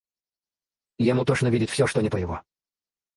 Ему тошно видеть всё, что не по его.